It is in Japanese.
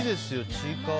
「ちいかわ」